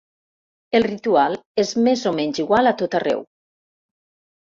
El ritual és més o menys igual a tot arreu.